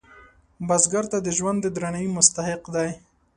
بزګر ته د ژوند د درناوي مستحق دی